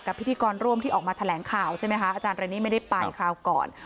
พิธีกรร่วมที่ออกมาแถลงข่าวใช่ไหมคะอาจารย์เรนนี่ไม่ได้ไปคราวก่อน